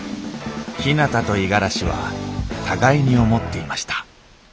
ひなたと五十嵐は互いに思っていました